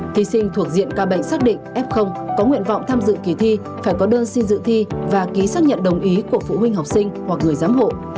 thí sinh thuộc diện ca bệnh xác định f có nguyện vọng tham dự kỳ thi phải có đơn xin dự thi và ký xác nhận đồng ý của phụ huynh học sinh hoặc người giám hộ